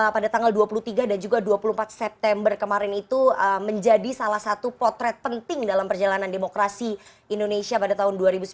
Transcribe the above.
pada tanggal dua puluh tiga dan juga dua puluh empat september kemarin itu menjadi salah satu potret penting dalam perjalanan demokrasi indonesia pada tahun dua ribu sembilan belas